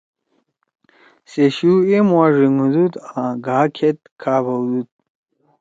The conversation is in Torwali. سے شو ایمُوا ڙھیِنگُودُود آں گھا کھید کھابھؤدُود۔